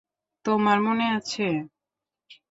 তোমার মনে আছে?